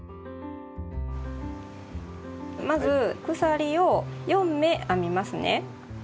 まず鎖を４目編みますね。